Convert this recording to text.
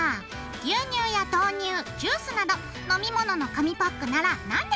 牛乳や豆乳ジュースなど飲み物の紙パックなら何でもＯＫ！